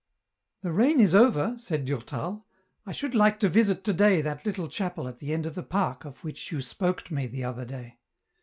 The rain is over," said Durtal ;" I should like to visit to day that little chapel at the end of the park of which you spoke to me the other day.